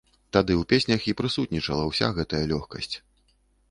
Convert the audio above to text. Тады ў песнях і прысутнічала ўся гэтая лёгкасць.